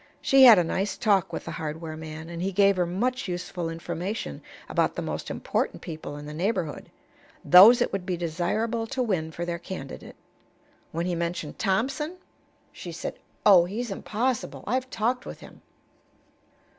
She had a nice talk with the hardware man, and he gave her much useful information about the most important people in the neighborhood those it would be desirable to win for their candidate. When he mentioned Thompson, she said: "Oh, he's impossible. I've talked with him."